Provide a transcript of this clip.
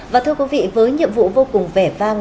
và thưa quý vị với nhiệm vụ vô cùng vẻ vang